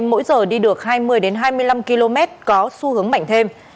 mỗi giờ đi được hai mươi hai mươi năm km có xu hướng mạnh thêm